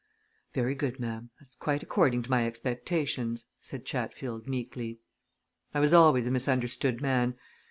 "Very good, ma'am that's quite according to my expectations," said Chatfield, meekly. "I was always a misunderstood man.